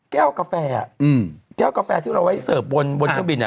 แก้วกาแฟที่เราไว้เซิร์ฟบนเที่ยวบิน